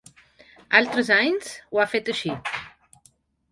Altres anys ho ha fet així.